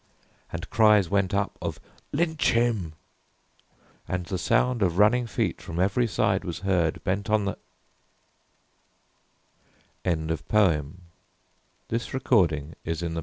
And cries went up of "Lynch him!" and the sound Of running feet from every side was heard Bent on the Epilogue (THE GRAVEYARD OF SPOON RIVER.